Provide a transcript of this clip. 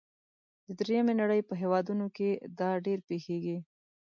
د دریمې نړۍ په هیوادونو کې دا ډیر پیښیږي.